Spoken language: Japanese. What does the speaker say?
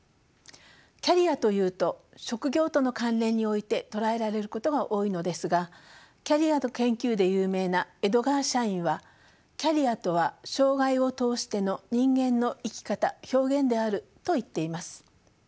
キャリアというと職業との関連において捉えられることが多いのですがキャリアの研究で有名なエドガー・シャインは「キャリアとは生涯を通しての人間の生き方・表現である」と言っています。